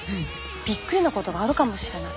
びっくりなこともあるかもしれない。